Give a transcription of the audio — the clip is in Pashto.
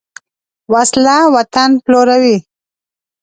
وسله وطن پلوروي